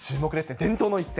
伝統の一戦。